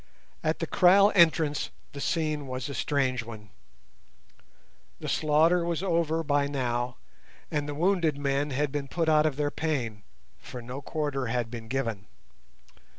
At the kraal entrance the scene was a strange one. The slaughter was over by now, and the wounded men had been put out of their pain, for no quarter had been given.